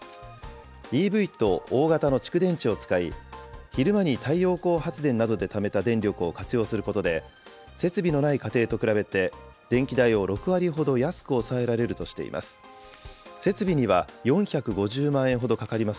ＥＶと大型の蓄電池を使い、昼間に太陽光発電などでためた電力を活用することで、設備のない家庭と比べて電気代を６割ほど安く抑えられるとしています。